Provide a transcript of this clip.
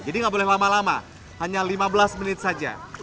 jadi nggak boleh lama lama hanya lima belas menit saja